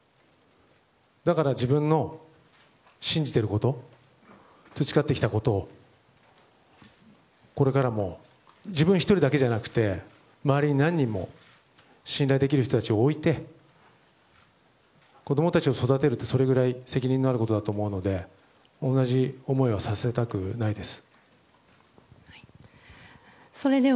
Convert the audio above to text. だから、自分の信じていること培ってきたことを、これからも自分１人だけじゃなくて周りに何人も信頼できる人たちを置いて子供たちを育てるってそれぐらい責任があると思うので同じ思いはさせたくないです。